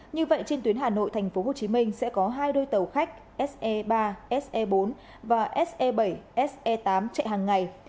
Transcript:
như vậy trên tuyến hà nội tp hcm sẽ có hai đôi tàu khách se ba se bốn và se bảy se tám chạy hàng ngày